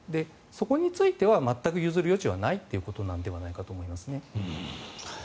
そこについては全く譲る余地はないということではないかと思いますね。